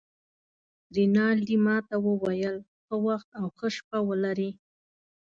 رینالډي ما ته وویل: ښه وخت او ښه شپه ولرې.